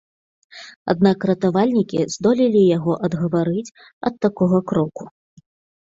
Аднак ратавальнікі здолелі яго адгаварыць ад такога кроку.